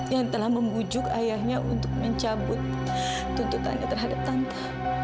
yang telah membujuk ayahnya untuk mencabut tuntutannya terhadap tante